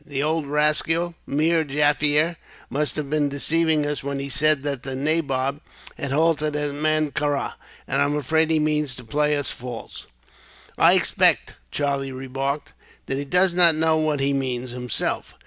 "That old rascal, Meer Jaffier, must have been deceiving us when he said that the nabob had halted at Mankarah. I'm afraid he means to play us false." "I expect," Charlie remarked, "that he does not know what he means, himself.